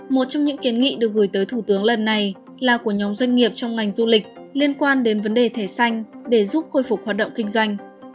một trong những kiến nghị được gửi tới thủ tướng lần này là của nhóm doanh nghiệp trong ngành du lịch liên quan đến vấn đề thẻ xanh để giúp khôi phục hoạt động kinh doanh